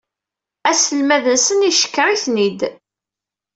Aselmad-nsen yeckeṛ-iten-id.